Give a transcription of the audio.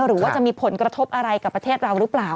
หรือว่าจะมีผลกระทบอะไรกับประเทศเราหรือเปล่า